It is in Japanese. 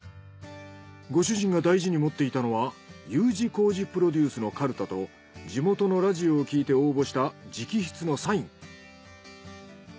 ご主人が大事に持っていたのはＵ字工事プロデュースのかるたと地元のラジオを聴いて応募した直筆のサイン。